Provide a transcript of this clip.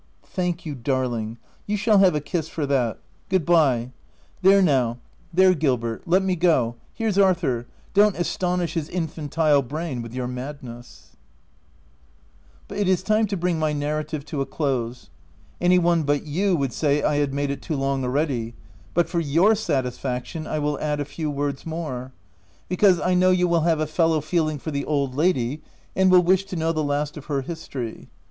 " Thank you, darling \ you shall have a kiss for that. Good bye. There now — there Gil vol. in. q 338 THE TENANT bert— let me go — here's Arthur, don't astonish his infantile brain with your madness/' # But it is time to bring my narrative to a close — any one but you would say I had made it too long already ; but for your satisfaction, I will add a few words more ; because, 1 know you will have a fellow feeling for the old lady, and will wish to know the last of her history.